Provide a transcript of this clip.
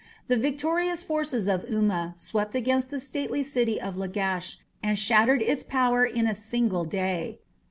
The victorious forces of Umma swept against the stately city of Lagash and shattered its power in a single day.